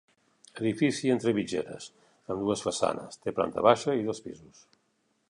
Edifici entre mitgeres, amb dues façanes, té planta baixa i dos pisos.